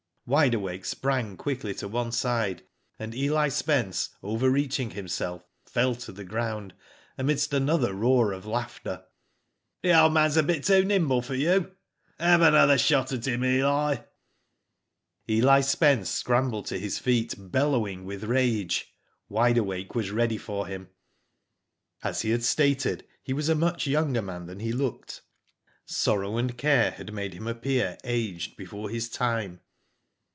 Wide Awake sprang quickly to one side, and Eli Spence overreaching himself fell to the ground, amidst another roar of laughter. The old man's a bit too nimble for you." *'Have another shot at him, Eli." Eli Spence scrambled to his feet, bellowing with rage. Wide Awake was ready for him. As he had stated he was a much younger man than he looked, sorrow and care had made him appear aged before his time.